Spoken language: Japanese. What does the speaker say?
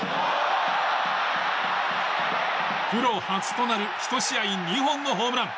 プロ初となる１試合２本のホームラン。